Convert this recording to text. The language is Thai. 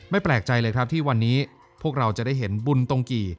แปลกใจเลยครับที่วันนี้พวกเราจะได้เห็นบุญตรงกี่